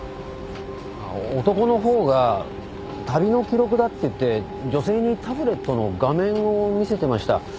男の方が「旅の記録だ」って言って女性にタブレットの画面を見せてました。